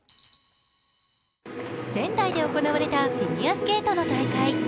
仙台で行われたフィギュアスケートの大会。